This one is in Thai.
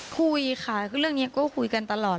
คุยค่ะเรื่องนี้ก็คุยกันตลอด